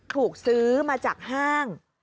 ถูกซื้อมาจากห้าง